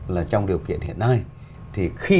là trong điều kiện hiện nay thì khi